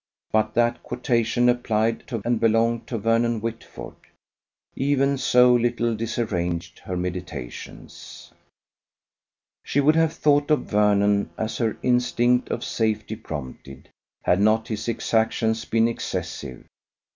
But that quotation applied to and belonged to Vernon Whitford. Even so little disarranged her meditations. She would have thought of Vernon, as her instinct of safety prompted, had not his exactions been excessive.